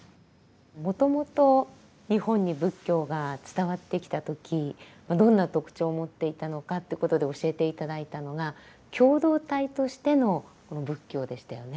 もともと日本に仏教が伝わってきた時どんな特徴を持っていたのかってことで教えて頂いたのが共同体としてのこの仏教でしたよね。